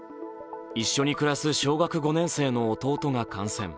一緒に暮らす小学５年生の弟が感染。